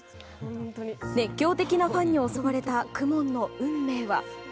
熱狂的なファンに襲われた公文の運命は。